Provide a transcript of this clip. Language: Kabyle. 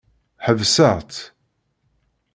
Ḥebseɣ-tt.